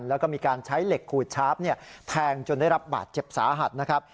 แล้วก็มีการใช้เหล็กขูดชาร์ฟแทงจนได้รับบาดเจ็บสาหัสนะครับ